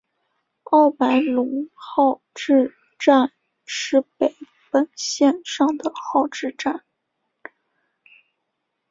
奥白泷号志站石北本线上的号志站。